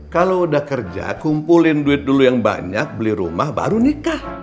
kalau udah kerja kumpulin duit dulu yang banyak beli rumah baru nikah